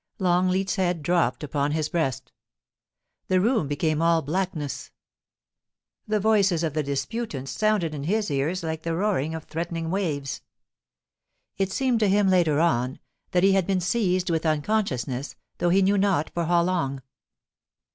* Long leat's head dropped upon his breast The room became all blackness. The voices of the disputants sounded in his ears like the roaring of threatening waves. It seemed to him, later on, that he had been seized with unconsciousness, though he knew not for how long.